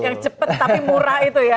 yang cepat tapi murah itu ya